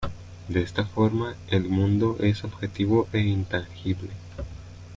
De esta forma el mundo es objetivo e inteligible.